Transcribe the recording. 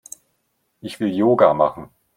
Ich will Yoga machen.